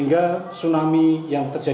tidak ada penyebab yang terjadi